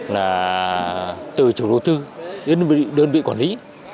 là từ chủ đầu tư đến đơn vị quản lý